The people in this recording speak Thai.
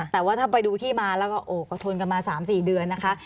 แต่ว่าถ้าไปดูที่มาแล้วก็โอ้ก็ทนกันมา๓๔เดือนนะคะ